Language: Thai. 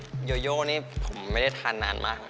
โยโยนี่ผมไม่ได้ทานนานมาก